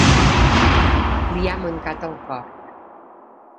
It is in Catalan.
Li ha mancat el cor.